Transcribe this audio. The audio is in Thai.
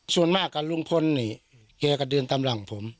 ส่วนมากกับลุงพลนี่แกก็เดินตามหลังผม